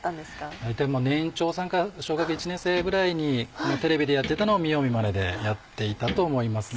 大体年長さんか小学１年生ぐらいにテレビでやってたのを見よう見まねでやっていたと思いますね。